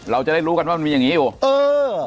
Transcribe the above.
เราจะได้รู้กันว่ามันมีอย่างงี้อยู่เออ